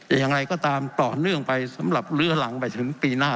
อย่างไรก็ตามต่อเนื่องไปสำหรับเลื้อหลังไปจนถึงปีหน้า